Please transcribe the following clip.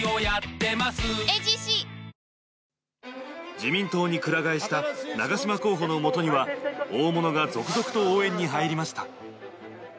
自民党にくら替えした長島候補のもとには大物が続々と応援に入りました。